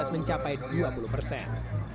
mencapai dua puluh persen